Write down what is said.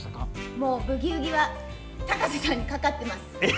もうブギウギは高瀬さんにかかっています。